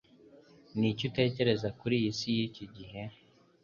Niki utekereza kuri iyi isi y’iki gihe?